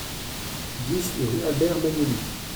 dix rue Albert Magnelli